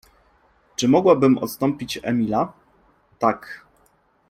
Czy mogłabym odstąpić Emila? Tak.